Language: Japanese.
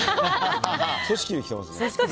組織できてますね。